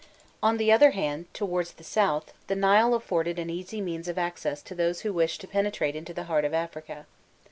On the other hand, towards the south, the Nile afforded an easy means of access to those who wished to penetrate into the heart of Africa.